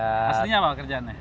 maksudnya apa kerjaannya